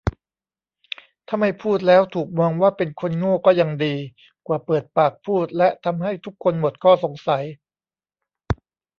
ถ้าไม่พูดแล้วถูกมองว่าเป็นคนโง่ก็ยังดีกว่าเปิดปากพูดและทำให้ทุกคนหมดข้อสงสัย